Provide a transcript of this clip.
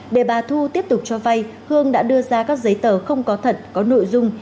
để bà thu tiếp tục cho vay hương đã đưa ra các giấy tờ không có thật có nội dung